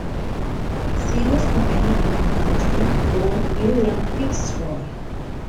She was commanded by Captain Lord William FitzRoy.